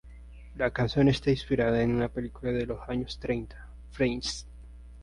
La canción está inspirada en una película de los años treinta, "Freaks".